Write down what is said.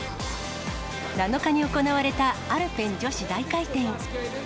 ７日に行われたアルペン女子大回転。